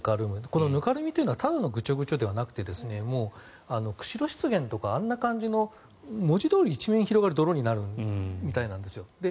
このぬかるみというのはただのぐちょぐちょではなくて釧路湿原とかあんな感じの文字どおり一面広がる泥みたいなんですよ。